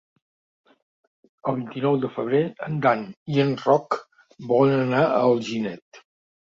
El vint-i-nou de febrer en Dan i en Roc volen anar a Alginet.